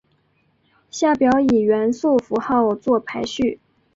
下表以元素符号作排序。